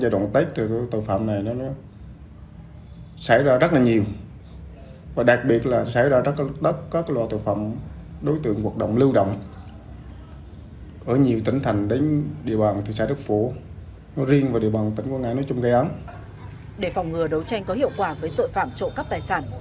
để phòng ngừa đấu tranh có hiệu quả với tội phạm trộm cắp tài sản